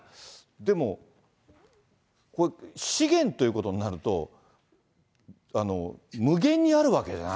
でも、これ、資源ということになると、無限にあるわけじゃない。